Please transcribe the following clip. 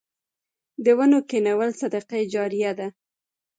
د ونو کینول صدقه جاریه ده.